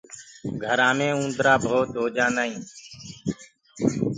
گھرآنٚ مي اُندرآ ڀوت هوجآندآ هينٚ